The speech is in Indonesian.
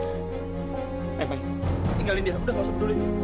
ayo tinggalin dia udah gak usah peduli